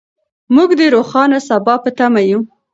موږ د روښانه سبا په تمه یو.